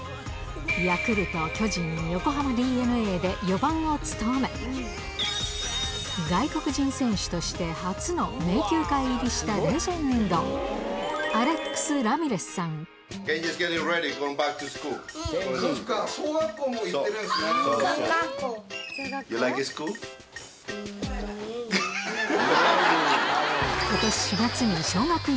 ヤクルト、巨人、横浜ＤｅＮＡで４番を務め、外国人選手として初の名球会入りしたレジェンド、アレックス・ラそっか、小学校、もう行って小学校。